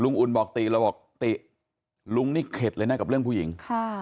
อุ่นบอกติเราบอกติลุงนี่เข็ดเลยนะกับเรื่องผู้หญิง